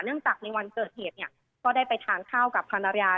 เนื่องจากในวันเกิดเหตุก็ได้ไปทางเข้ากับภรรยา